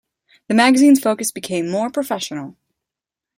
The magazine's focus became more professional.